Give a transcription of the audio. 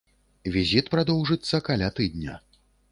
Візіт прадоўжыцца каля тыдня.